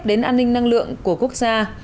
đến an ninh năng lượng của quốc gia